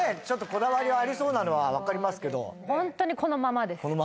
こだわりはありそうなのは分かりますけどホントにこのままです